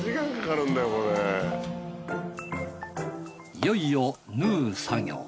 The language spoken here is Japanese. いよいよ縫う作業。